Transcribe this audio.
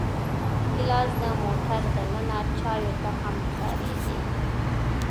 ګیلاس د موټر دننه چایو ته هم کارېږي.